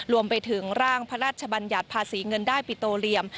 รวมไปถึงร่างพระราชบัญญัติภาษีเงินได้ปิโตเรียม